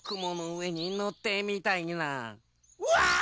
わあ！